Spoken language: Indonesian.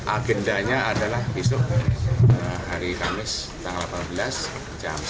agendanya adalah besok hari kamis tanggal delapan belas jam